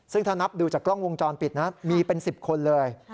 ซึ่งถ้านับดูจากกล้องวงจรปิดนะมีเป็น๑๐คนเลย